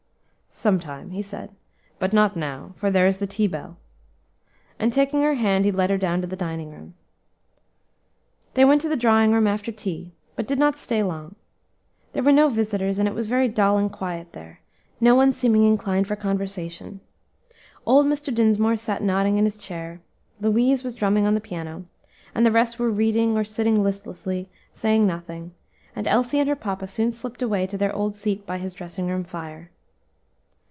"Some time," he said, "but not now, for there is the tea bell;" and taking her hand, he led her down to the dining room. They went to the drawing room after tea, but did not stay long. There were no visitors, and it was very dull and quiet there, no one seeming inclined for conversation. Old Mr. Dinsmore sat nodding in his chair, Louise was drumming on the piano, and the rest were reading or sitting listlessly, saying nothing, and Elsie and her papa soon slipped away to their old seat by his dressing room fire.